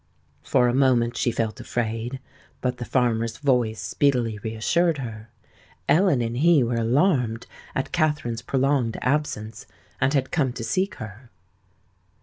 For a moment she felt afraid; but the farmer's voice speedily reassured her. Ellen and he were alarmed at Katherine's prolonged absence, and had come to seek her.